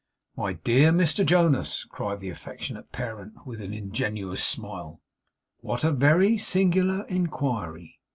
'My dear Mr Jonas,' cried the affectionate parent, with an ingenuous smile, 'what a very singular inquiry!